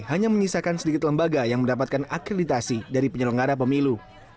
hanya menyisakan sedikit lembaga yang mendapatkan akreditasi dari penyelenggara pemilu